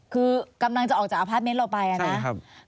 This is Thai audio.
คือกำลังจะออกจากอพาสเมนต์เราไปนะ